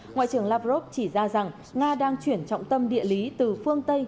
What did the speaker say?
ngoại trưởng lavrov chỉ ra rằng nga đang chuyển trọng tâm địa lý từ phương tây